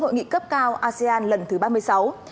hội nghị cấp cao asean lần thứ ba mươi sáu